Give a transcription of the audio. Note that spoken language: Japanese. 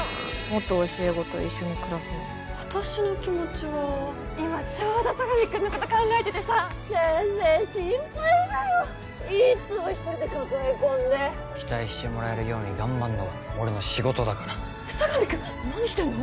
元教え子と一緒に暮らすの私の気持ちは今ちょうど佐神くんのこと考えててさ先生心配だよいっつも一人で抱え込んで期待してもらえるように頑張んのが俺の仕事だから佐神くん何してんの？